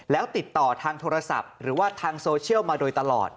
แล้วติดต่อทางโทรศัพท์หรือว่าทางโซเชียลมาโดยตลอด